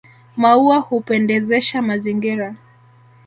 Maua hupendezesha mazingira